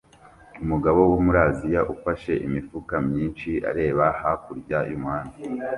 Umugabo wo muri Aziya ufashe imifuka myinshi areba hakurya y'umuhanda